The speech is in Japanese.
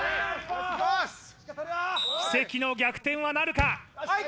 奇跡の逆転はなるか？